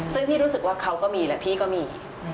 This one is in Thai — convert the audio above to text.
ซึ่งพี่รู้สึกว่าเขาก็มีและพี่ก็มี